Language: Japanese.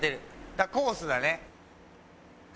だからコースだね。